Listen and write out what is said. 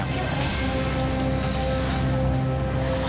aku gak bisa ikutin kemauan ibu lagi